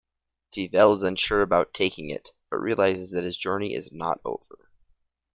Fievel is unsure about taking it, but realizes that his journey is not over.